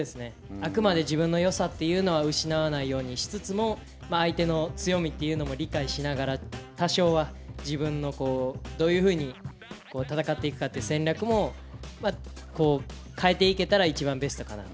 あくまで自分のよさというのは失わないようにしつつも、相手の強みというのも理解しながら、多少は自分の、どういうふうに戦っていくかという戦略も変えていけたらいちばんベストかなと。